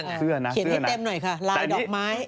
เขียนให้เต็มหน่อยค่ะลายดอกไม้